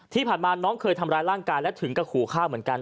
ที่ผ่านมาน้องเคยทำร้ายร่างกายและถึงกับขู่ฆ่าเหมือนกัน